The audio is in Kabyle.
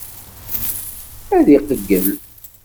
Ad iqeyyel.